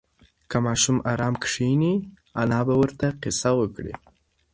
که ماشوم ارام کښېني، انا به ورته قصه وکړي.